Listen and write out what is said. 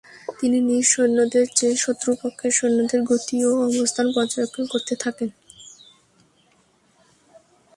তিনি নিজ সৈন্যদের চেয়ে শত্রুপক্ষের সৈন্যদের গতি ও অবস্থান পর্যবেক্ষণ করতে থাকেন।